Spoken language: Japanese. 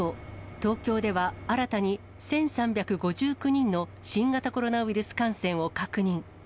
東京では新たに１３５９人の新型コロナウイルス感染を確認。